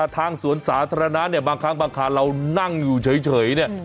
ทางสวนสาธารณะเนี่ยบางครั้งบางคราเรานั่งอยู่เฉยเนี่ย